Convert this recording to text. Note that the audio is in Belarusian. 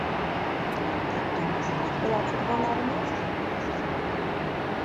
Адтуль чуваць была чырвонаармейская песня.